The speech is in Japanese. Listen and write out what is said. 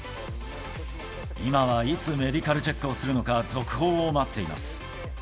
今はいつメディカルチェックをするのか、続報を待っています。